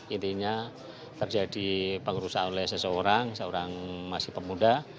intinya terjadi pengurusan oleh seseorang seorang masih pemuda